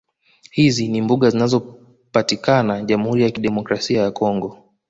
Hizi ni mbuga zinazopatikazna Jamhuri ya Kidemikrasia ya Congo